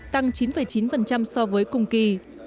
tăng chín chín so với cùng kỳ